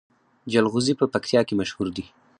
جلغوزي په پکتیا کې مشهور دي